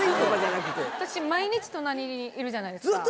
私毎日隣にいるじゃないですか。